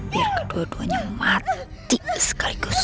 biar kedua duanya mati sekaligus